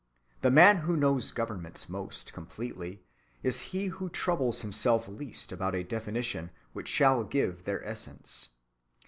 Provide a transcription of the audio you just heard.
The man who knows governments most completely is he who troubles himself least about a definition which shall give their essence.